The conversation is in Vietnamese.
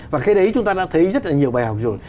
và cái đấy chúng ta đã thấy rất là nhiều bài học rồi